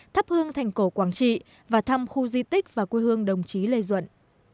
thắp hương thành cổ quảng trị và thăm khu di tích và quê hương đồng chí lê duận